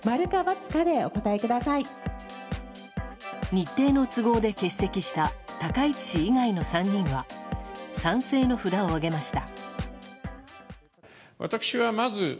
日程の都合で欠席した高市氏以外の３人は賛成の札を上げました。